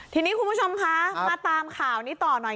ทีนี้คุณผู้ชมคะมาตามข่าวนี้ต่อหน่อย